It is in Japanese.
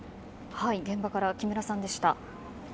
現場から木村さんでした。